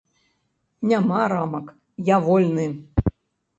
Няма рамак, я вольны.